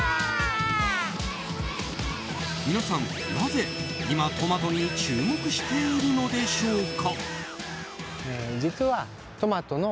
皆さん、なぜ今トマトに注目しているのでしょうか。